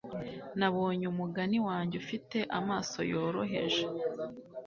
Nabonye umugani wanjye ufite amaso yoroheje